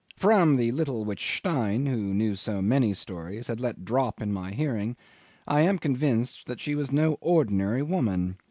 From the little which Stein (who knew so many stories) had let drop in my hearing, I am convinced that she was no ordinary woman.